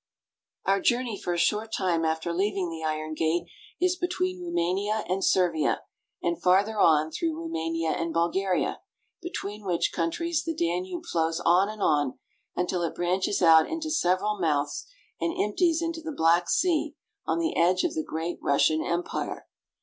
The Iron Gate. Our journey for a short time after leaving the Iron Gate is between Roumania and Servia, and, farther on, through Roumania and Bulgaria, between which countries the Danube flows on and on, until it branches out into several mouths and empties into the Black Sea, on the edge of the great Russian Empire.